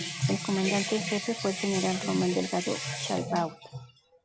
El comandante en jefe fue el general Román Delgado Chalbaud.